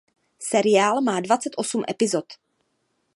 Seriál má dvacet osm epizod.